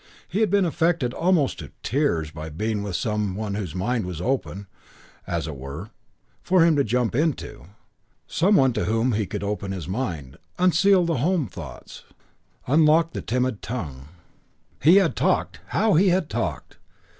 He had been affected almost to tears by being with some one whose mind was open, as it were, for him to jump into: some one to whom he could open his mind, unseal the home thoughts, unlock the timid tongue. He had talked how he had talked!